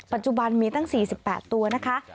ปัจจุบันมีตั้ง๔๘ตัวนะคะ